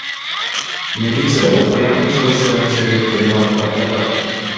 Милиция окуянын чыгышынын себептерин аныктап жатат.